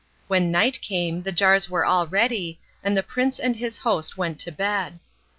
When night came the jars were all ready, and the prince and his host went to bed.